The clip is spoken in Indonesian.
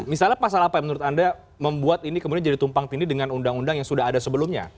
misalnya pasal apa yang menurut anda membuat ini kemudian jadi tumpang tindih dengan undang undang yang sudah ada sebelumnya